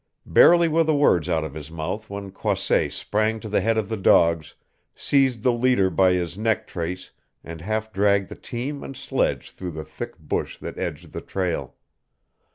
Barely were the words out of his mouth when Croisset sprang to the head of the dogs, seized the leader by his neck trace and half dragged the team and sledge through the thick bush that edged the trail.